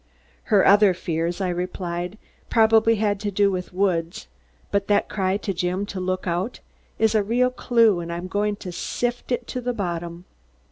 '" "Her other fears," I replied, "probably had to do with Woods. But that cry to Jim to 'Look out!' is a real clue and I'm going to sift it to the bottom."